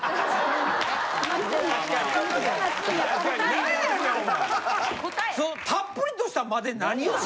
なんやねんお前！？